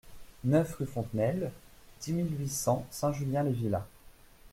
neuf rue Fontenelle, dix mille huit cents Saint-Julien-les-Villas